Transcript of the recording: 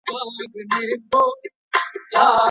فعال ټولګی کله ناکله شور لري.